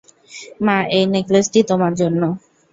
মা, এই নেকলেসটি তোমার জন্য।